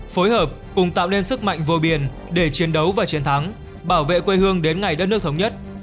phối hợp cùng tạo nên sức mạnh vô biển để chiến đấu và chiến thắng bảo vệ quê hương đến ngày đất nước thống nhất